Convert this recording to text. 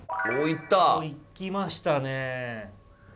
行きましたね。